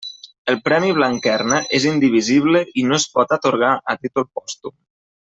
El Premi Blanquerna és indivisible i no es pot atorgar a títol pòstum.